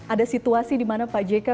ada situasi dimana pak jk